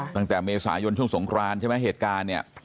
ตั้งแต่เมษายนช่วงสงครานใช่ไหมเหตุการณ์เนี่ย